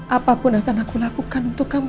apapun akan aku lakukan untuk kamu